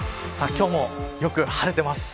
今日もよく晴れています。